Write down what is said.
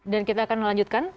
dan kita akan melanjutkan